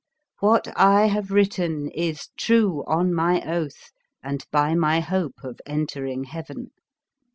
What I have written is true on my oath and by my hope of enter ing heaven.